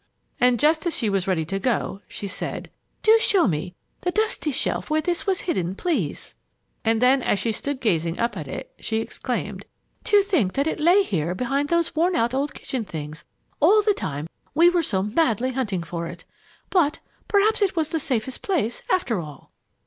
But just as she was ready to go, she said: "Do show me the dusty shelf where this was hidden, please!" And then, as she stood gazing up at it, she exclaimed, "To think that it lay here behind those worn out old kitchen things all the time we were so madly hunting for it! But perhaps it was the safest place, after all!"